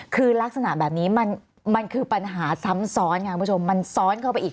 คือลักษณะแบบนี้มันคือปัญหาซ้ำซ้อนค่ะคุณผู้ชมมันซ้อนเข้าไปอีก